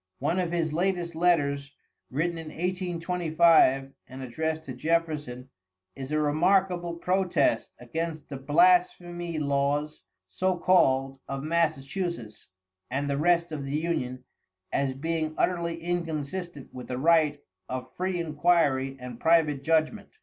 One of his latest letters, written in 1825, and addressed to Jefferson, is a remarkable protest against the blasphemy laws, so called, of Massachusetts, and the rest of the Union, as being utterly inconsistent with the right of free inquiry and private judgment.